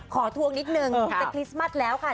ขอทวงนิดหนึ่งแต่คริสต์มัดแล้วค่ะ